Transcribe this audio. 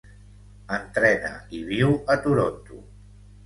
Entrena i viu a Toronto.